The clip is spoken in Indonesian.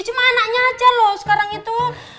cuma anaknya aja loh sekarang itu